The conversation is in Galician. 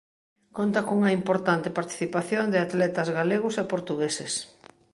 Conta cunha importante participación de atletas galegos e portugueses.